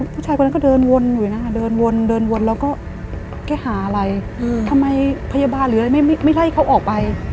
ผู้ชายคนนั้นก็เดินวนอยู่นะคะเดินวนเดินวนแล้วก็แก้หาอะไรทำไมพยาบาลหรืออะไรไม่ไล่เขาออกไป